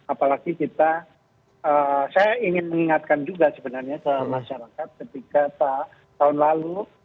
apalagi kita saya ingin mengingatkan juga sebenarnya ke masyarakat ketika tahun lalu